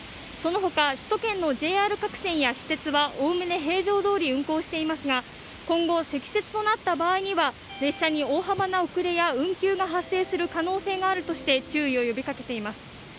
そのほか首都圏のＪＲ各線や私鉄はおおむね平常どおり運行していますが今後、積雪となった場合には列車に大幅な遅れや運休が発生する可能性があるとして注意を呼びかけています。